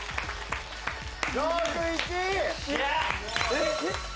えっ？